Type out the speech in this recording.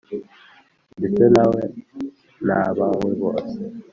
ndetse nawe nabawe bose